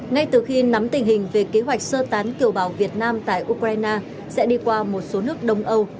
ngay từ khi nắm tình hình về kế hoạch sơ tán kiều bào việt nam tại ukraine sẽ đi qua một số nước đông âu